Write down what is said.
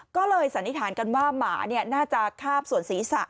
ก็เลยสันนิษฐานกันว่าหมาน่าจะคาบส่วนศีรษะ